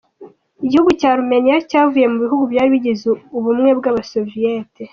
Igihugu cya Armenia cyavuye mu bihugu byari bigize ubumwe bw’abasoviyeti.